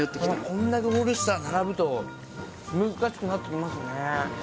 こんだけオールスター並ぶと難しくなってきますね